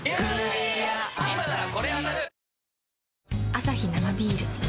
アサヒ生ビール